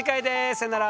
さよなら！